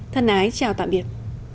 thân ái chào tạm biệt